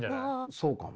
そうかもな。